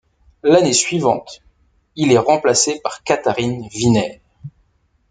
L'année suivante, il est remplacé par Katharine Viner.